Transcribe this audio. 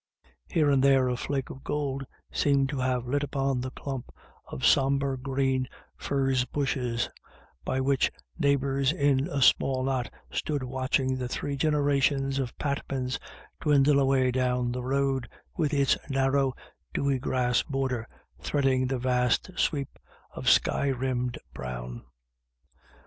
Here and there a flake of gold seemed to have lit upon the clump of sombre green furze bushes, by which neighbours in a small knot stood watching the three generations of Patmans dwindle away down the road with its narrow dewy grass border threading the vast sweep of sky rimmed 316 IRISH IDYLLS. brown.